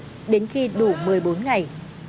chúng khi đủ một mươi bốn ngày